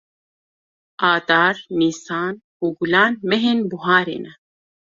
Adar, Nîsan û Gulan mehên buharê ne.